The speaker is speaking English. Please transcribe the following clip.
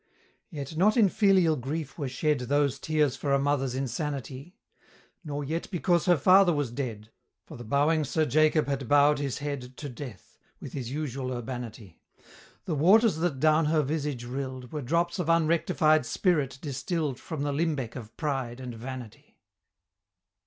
Yet, not in filial grief were shed Those tears for a mother's insanity; Nor yet because her father was dead, For the bowing Sir Jacob had bow'd his head To Death with his usual urbanity; The waters that down her visage rill'd Were drops of unrectified spirit distill'd From the limbeck of Pride and Vanity.